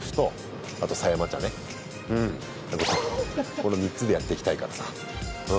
この３つでやっていきたいからさ。